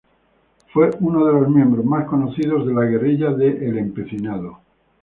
Fue uno de los miembros más conocidos de la guerrilla de "el Empecinado".